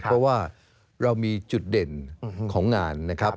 เพราะว่าเรามีจุดเด่นของงานนะครับ